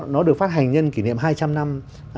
nó được phát hành nhân kỷ niệm hai trăm linh năm